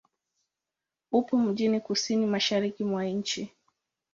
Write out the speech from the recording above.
Upo mjini kusini-mashariki mwa nchi.